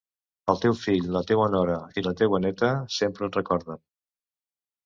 El teu fill, la teua nora i la teua néta sempre et recorden.